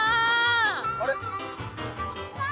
あれ？